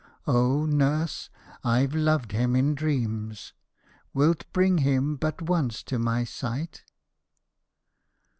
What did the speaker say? ' Oh, nurse ! I 've loved him in dreams. — Wilt bring him but once to my sight?'